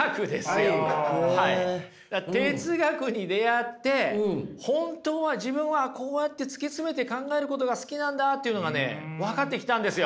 哲学に出会って本当は自分はこうやって突き詰めて考えることが好きなんだっていうのがね分かってきたんですよ。